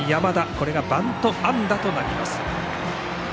これがバント安打となります。